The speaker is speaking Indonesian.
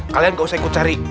kalian gak usah ikut cari